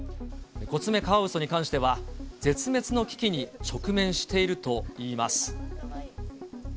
コツメカワウソに関しては、絶滅の危機に直面しているといいます。